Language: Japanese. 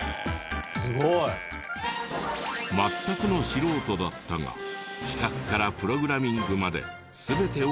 すごい！全くの素人だったが企画からプログラミングまで全てを１人で。